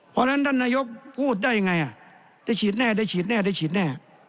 เพราะฉะนั้นท่านนายกพูดได้ยังไงได้ฉีดแน่ได้ฉีดแน่ได้ฉีดแน่